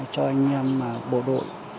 cho anh em bộ đội